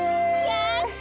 やった！